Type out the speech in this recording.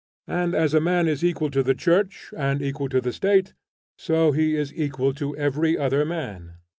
And as a man is equal to the Church and equal to the State, so he is equal to every other man.